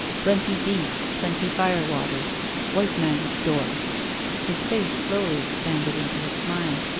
Plenty beef, plenty fire water. White man store." His face slowly expanded into a smile.